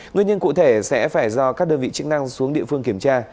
nguyên nhân cụ thể sẽ phải do các đơn vị chức năng xuống địa phương kiểm tra